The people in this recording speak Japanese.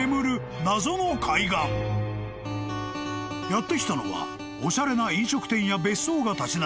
［やって来たのはおしゃれな飲食店や別荘が立ち並ぶ